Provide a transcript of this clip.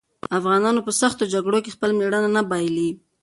افغانان په سختو جګړو کې خپل مېړانه نه بايلي.